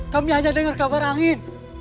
kami hanya dengar kabar angin